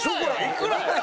いくら？